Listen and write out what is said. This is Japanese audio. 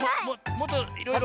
もっといろいろ。